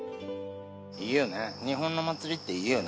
いいよね、日本の祭りっていいよね。